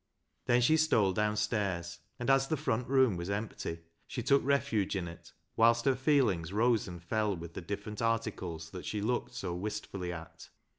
Then she stole downstairs, and as the front room was empty, she took refuge in it, whilst her feelings rose and fell with the different articles that she looked so wistfully at.